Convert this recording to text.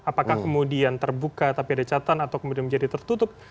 apakah kemudian terbuka tapi ada catatan atau kemudian menjadi tertutup